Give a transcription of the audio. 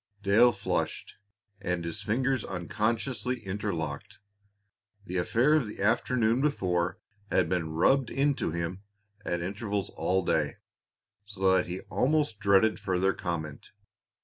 Dale flushed, and his fingers unconsciously interlocked. The affair of the afternoon before had been "rubbed into him" at intervals all day, so that he almost dreaded further comment.